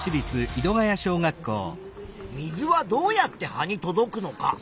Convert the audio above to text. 水はどうやって葉に届くのか。